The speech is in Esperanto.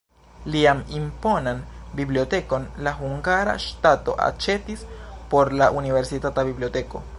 Lian imponan bibliotekon la hungara ŝtato aĉetis por la universitata biblioteko.